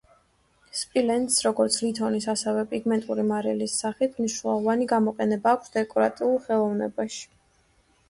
სპილენძს, როგორც ლითონის ასევე პიგმენტური მარილის სახით, მნიშვნელოვანი გამოყენება აქვს დეკორატიულ ხელოვნებაში.